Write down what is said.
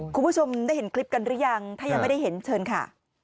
คุณผู้ชมได้เห็นคลิปกันหรือยังถ้ายังไม่ได้เห็นเชิญค่ะ